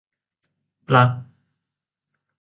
- ปลั๊ก